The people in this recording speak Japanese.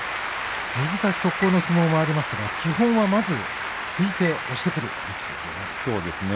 右差し速攻の相撲がありますが基本はまず突きで押してくる力士ですよね。